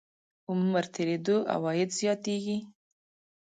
عمر تېرېدو عواید زیاتېږي.